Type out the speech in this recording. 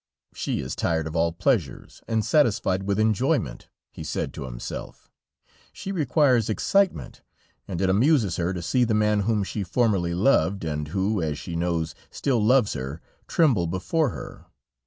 "She is tired of all pleasures, and satisfied with enjoyment," he said to himself; "she requires excitement and it amuses her to see the man whom she formerly loved, and who, as she knows, still loves her, tremble before her.